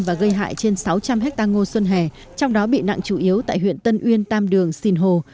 và gây hại trên sáu trăm linh hecta ngô xuân hẻ trong đó bị nặng chủ yếu tại huyện tân uyên tam đường sìn hồ